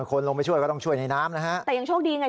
คนลงไปช่วยก็ต้องช่วยในน้ำนะฮะแต่ยังโชคดีไง